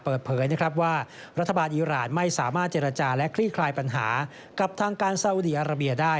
เปิดเผยนะครับว่ารัฐบาลอีรานไม่สามารถเจรจาและคลี่คลายปัญหากับทางการซาอุดีอาราเบียได้